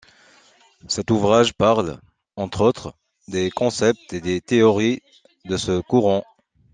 Cet ouvrage parle, entre autres, des concepts et des théories de ce courant.